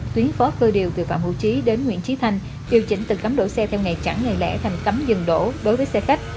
tuyến phó cơ điều từ phạm hữu trí đến nguyễn trí thanh điều chỉnh từng cấm đổ xe theo ngày chẳng ngày lẽ thành cấm dừng đổ đối với xe khách